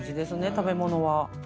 食べ物は。